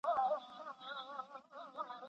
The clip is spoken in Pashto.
د دانې نوی پیوند دی